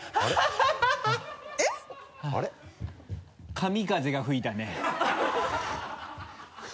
神風が吹いたね。